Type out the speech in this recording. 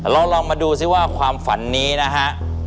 ลองมาดูซิว่าความฝันนี้นะฮะ